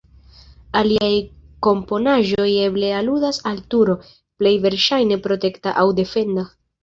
Aliaj komponaĵoj eble aludas al turo, plej verŝajne protekta aŭ defenda.